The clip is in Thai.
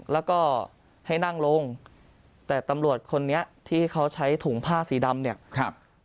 และก็ให้นั่งลงแต่ตำรวจคนนี้ที่เขาใช้ถูงผ้าสีดำ